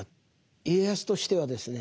家康としてはですね